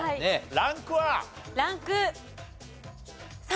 ランク３。